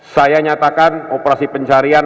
saya nyatakan operasi pencarian